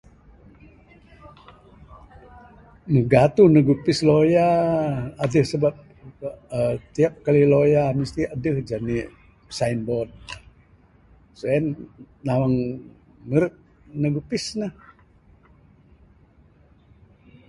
Gatuh neg opis lawyer, tiap kali lawyer adeh jani'k signboard ne sien nawang meret neg opis ne.